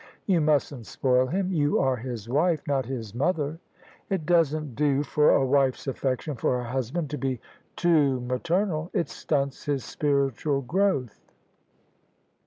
"You mustn't spoil him. You are his wife; not his mother. It doesn't do for a wife's affection for her husband to be too maternal : it stunts his spiritual growth."